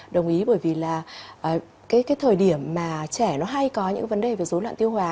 đồng ý bởi vì là cái thời điểm mà trẻ nó hay có những vấn đề về dối loạn tiêu hóa